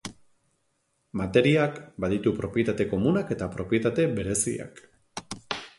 Materiak baditu propietate komunak eta propietate bereziak.